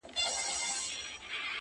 یوار مسجد ته ګورم؛ بیا و درمسال ته ګورم؛